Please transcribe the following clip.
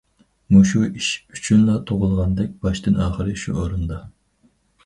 مۇشۇ ئىش ئۈچۈنلا تۇغۇلغاندەك باشتىن- ئاخىر شۇ ئورنىدا.